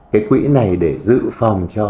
cái quỹ này để giữ phòng cho